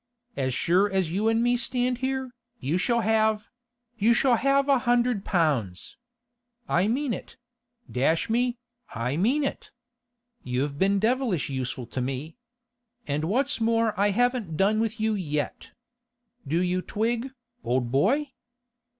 As sure as you and me stand here, you shall have—you shall have a hundred pounds! I mean it; dash me, I mean it! You've been devilish useful to me; and what's more I haven't done with you yet. Do you twig, old boy?